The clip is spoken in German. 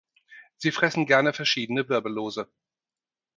Sie fressen gerne verschiedene Wirbellose.